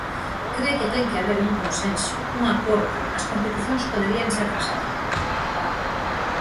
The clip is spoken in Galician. Cre que ten que haber un consenso, un acordo, as competicións poderíanse atrasar.